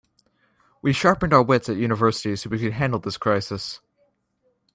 We sharpened our wits at university so we could handle this crisis.